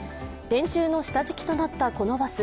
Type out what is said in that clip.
電柱の下敷きとなった、このバス。